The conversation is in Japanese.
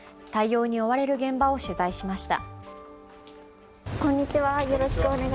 対応に追われる現場を取材しました。